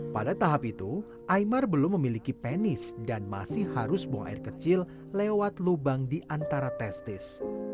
pada tahap itu imar belum memiliki penis dan masih harus buang air kecil lewat lubang di antara testis